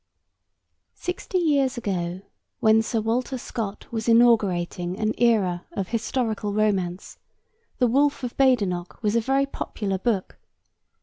Sixty years ago, when Sir Walter Scott was inaugurating an era of historical romance, The Wolfe of Badenoch was a very popular book.